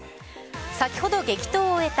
先ほど激闘を終えた